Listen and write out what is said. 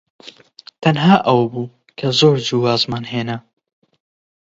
تەنها ئەوە بوو کە زۆر زوو وازمان هێنا.